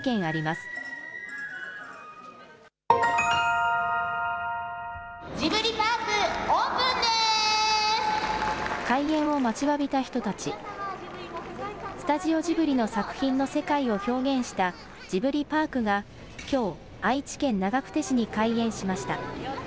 スタジオジブリの作品の世界を表現したジブリパークがきょう愛知県長久手市に開園しました。